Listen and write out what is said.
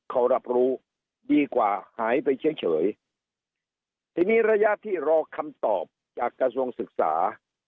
เขารับรู้ดีกว่าหายไปเฉยเฉยทีนี้ระยะที่รอคำตอบจากกระทรวงศึกษา